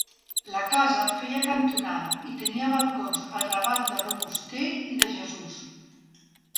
La casa feia cantonada i tenia balcons al raval de Robuster i de Jesús.